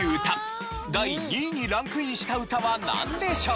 第２位にランクインした歌はなんでしょうか？